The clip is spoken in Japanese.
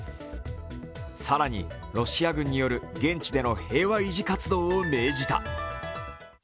更にロシア軍による現地での平和維持活動を命じた。